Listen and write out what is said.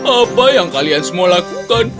apa yang kalian semua lakukan